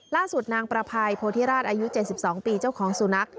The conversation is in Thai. ล่าสุดนางประภัยโพธิราชอายุ๗๒ปีเจ้าของสุนัข